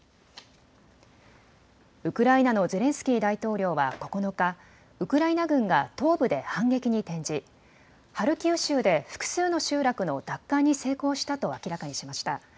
ウクライナのゼレンスキー大統領は９日、ウクライナ軍が東部で反撃に転じハルキウ州で複数の集落の奪還に成功したと明らかにしました。